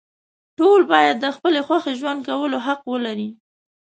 ټول باید د خپلې خوښې ژوند کولو حق ولري.